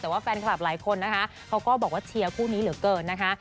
แต่ว่าแฟนคลับหลายคนนะคะเขาก็บอกว่าเชียร์คู่นี้เหลือเกินนะคะ